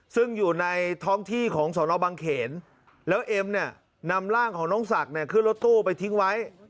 ซึ่งอยู่ในท้องที่ของสนบังเขนแล้วเอ็มเนี่ยนำร่างของน้องศักดิ์เนี่ยขึ้นรถตู้ไปทิ้งไว้